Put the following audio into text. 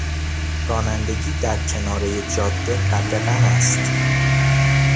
رانندگی در کنارهی جاده قدغن است.